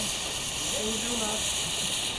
Тыйҙылар.